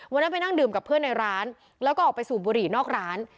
วันนั้นไปนั่งดื่มกับเพื่อนในร้านแล้วก็ออกไปสูบบุหรี่นอกร้าน